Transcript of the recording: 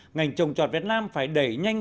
ngành trồng trọt việt nam phải đẩy nhanh